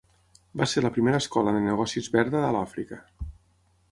Va ser la primera escola de negocis verda a l'Àfrica.